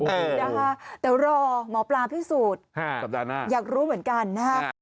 โอ้โหแต่รอหมอปลาพิสูจน์สัปดาห์หน้าอยากรู้เหมือนกันฮะ